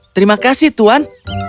terima kasih tuan